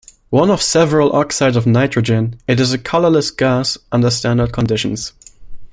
One of several oxides of nitrogen, it is a colorless gas under standard conditions.